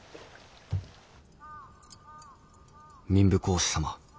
「民部公子様。